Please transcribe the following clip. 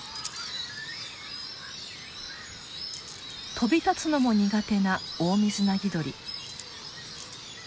飛び立つのも苦手なオオミズナギドリ。